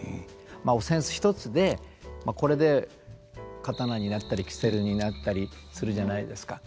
まあお扇子一つでこれで刀になったりキセルになったりするじゃないですか。